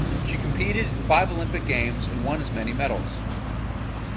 She competed in five Olympic Games and won as many medals.